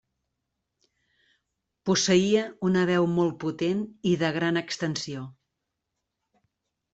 Posseïa una veu molt potent i de gran extensió.